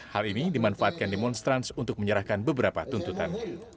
hal ini dimanfaatkan demonstrans untuk menyerahkan beberapa tuntutan